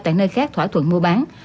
tại nơi khác thỏa thuận mua bán